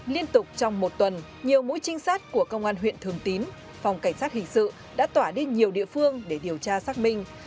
liên tục trong một tuần nhiều mũi trinh sát của công an huyện thường tín phòng cảnh sát hình sự đã tỏa đi nhiều địa phương để điều tra xác minh